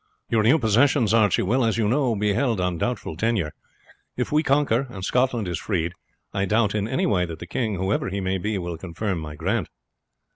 "Your new possessions, Archie, will, as you know, be held on doubtful tenure. If we conquer, and Scotland is freed, I doubt in no way that the king, whoever he may be, will confirm my grant.